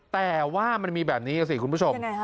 แต่ว่ามันมีแบบนี้สิคุณผู้ชม